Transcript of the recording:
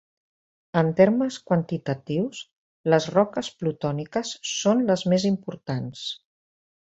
En termes quantitatius, les roques plutòniques són les més importants.